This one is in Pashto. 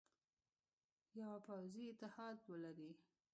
یوه پوځي اتحاد ولري.